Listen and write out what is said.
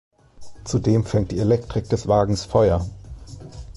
Zudem fängt die Elektrik des Wagens Feuer.